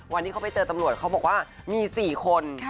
วันที่เขาไปเจอตำรวจเขาบอกว่ามี๔คน